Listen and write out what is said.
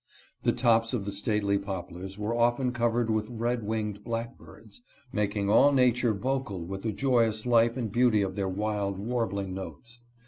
The tops of the stately poplars were often covered with red winged blackbirds, making all nature vocal with the joy ous life and beauty of their wild, warbling notes.